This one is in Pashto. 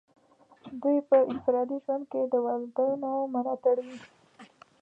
دوی په انفرادي ژوند کې د والدینو ملاتړ وي.